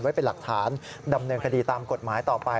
ไว้เป็นหลักฐานดำเนินคดีตามกฎหมายต่อไป